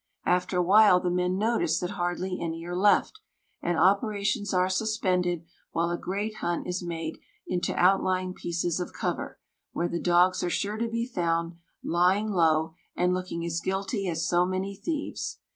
After a while the men notice that hardly any are left, and operations are suspended while a great hunt is made into outlying pieces of cover, where the dogs are sure to be found lying low and looking as guilty as so many thieves.